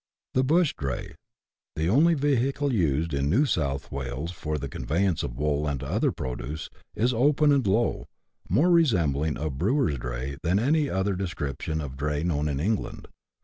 The bush dray, the only vehicle used in New South "Wales for the conveyance of wool and other produce, is open and low, more resembling a brewer's dray than any other description of CHAP, v.] . LIFE ON THE ROAD. 49 dray known in England.